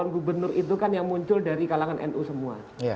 gubernur itu kan yang muncul dari kalangan nu semua